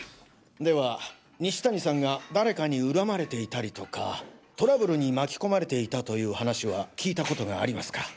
では西谷さんが誰かにうらまれていたりとかトラブルに巻き込まれていたという話は聞いたことがありますか？